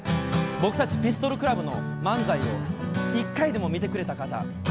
「僕たちピストルクラブの漫才を１回でも見てくれた方」